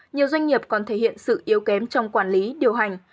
nhiều doanh nghiệp còn thể hiện sự yếu kém trong quản lý điều hành